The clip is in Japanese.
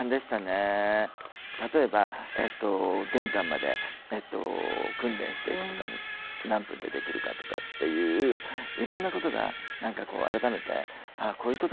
例えば玄関まで訓練していくとか何分でできるかとかっていういろんなことが改めてああこういうことが大切なんだなっていう。